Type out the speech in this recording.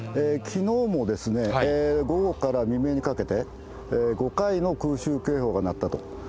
きのうも午後から未明にかけて、５回の空襲警報が鳴ったと。